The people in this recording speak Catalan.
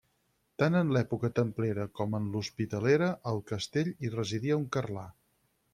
Tant en l'època templera com en l'hospitalera, al castell hi residia un carlà.